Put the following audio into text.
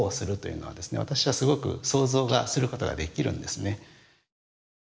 私はすごく想像することができるんですね。